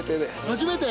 初めて？